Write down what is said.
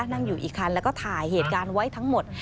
นั่งอยู่อีกคันแล้วก็ถ่ายเหตุการณ์ไว้ทั้งหมด